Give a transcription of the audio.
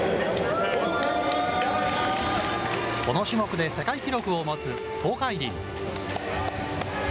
この種目で世界記録を持つ東海林。